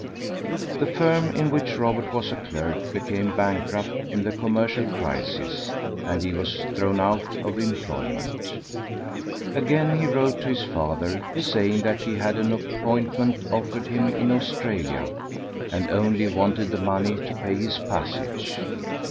The firm in which Robert was a clerk became bankrupt in the commercial crisis, and he was thrown out of employment. Again he wrote to his father, saying that he had an appointment offered him in Australia, and only wanted the money to pay his passage.